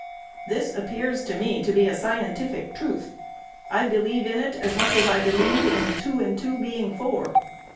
This appears to me to be a scientific truth. I believe in it as much as I believe in two and two being four.